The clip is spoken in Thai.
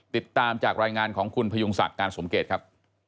ติดตามจากรายงานของคุณพยุงศักดิ์การสมเกตครับ